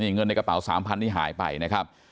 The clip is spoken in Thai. เงินในกระเป๋าสามพันบาทนี่หายไปนะครับ